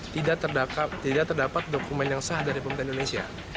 tidak terdapat dokumen yang sah dari pemerintah indonesia